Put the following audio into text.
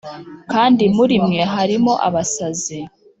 kandi muri mwe harimo abasazi